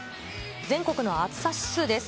全国の暑さ指数です。